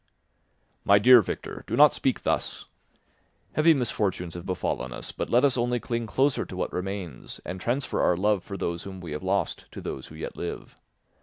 "My dear Victor, do not speak thus. Heavy misfortunes have befallen us, but let us only cling closer to what remains and transfer our love for those whom we have lost to those who yet live.